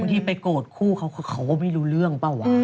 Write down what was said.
ที่ไปโกรธคู่เขาเขาก็ไม่รู้เรื่องเปล่าวะ